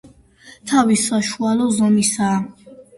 თავი საშუალო ზომისაა.